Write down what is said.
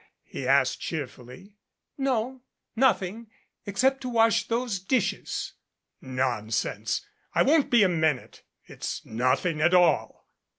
he asked cheerfully. "No nothing except to wash those dishes." 43 MADCAP "Nonsense. I won't be a minute. It's nothing at all."